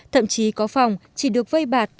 thậm chí có phòng chỉ được vây bạt